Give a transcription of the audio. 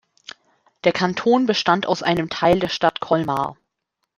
Der Kanton bestand aus einem Teil der Stadt Colmar.